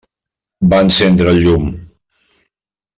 Va encendre el llum.